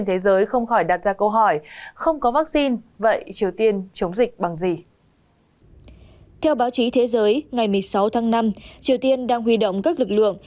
trên thế giới ngày một mươi sáu tháng năm triều tiên đang huy động các lực lượng